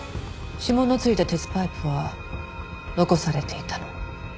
指紋の付いた鉄パイプは残されていたのに。